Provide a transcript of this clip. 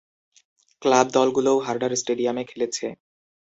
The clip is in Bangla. ক্লাব দলগুলোও হার্ডার স্টেডিয়ামে খেলেছে।